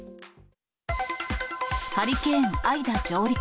ハリケーン・アイダ上陸。